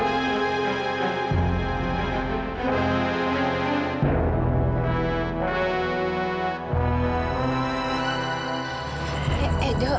kita pulang dulu